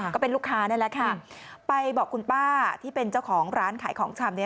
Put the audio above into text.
ก็เป็นลูกค้านั่นแหละค่ะไปบอกคุณป้าที่เป็นเจ้าของร้านขายของชำ